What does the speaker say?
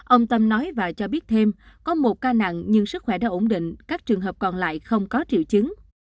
ông tâm nói và cho biết thêm có một ca nặng nhưng sức khỏe đã ổn định các trường hợp còn lại không có triệu chứng